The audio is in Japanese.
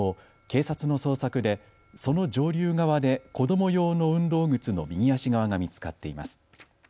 警察の捜索でその上流側で子ども用の運動靴の右足側が見つかっています。